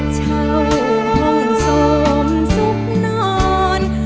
เช่าต้องส่งสุขนอน